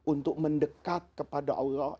untuk mendekat kepada allah